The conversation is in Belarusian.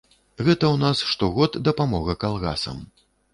Гэта ў нас штогод дапамога калгасам.